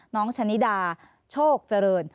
น้องชะนิดาโชคเจริญ